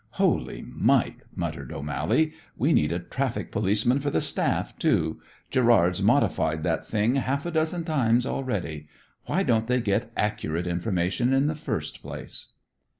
"Holy Mike!" muttered O'Mally, "we need a traffic policeman for the staff, too. Gerrard's modified that thing half a dozen times already. Why don't they get accurate information in the first place?"